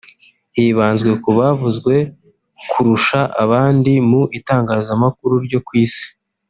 hibanzwe ku bavuzwe kurusha abandi mu itangazamakuru ryo ku isi